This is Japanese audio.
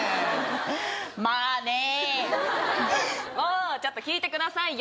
まぁねーもうちょっと聞いてくださいよ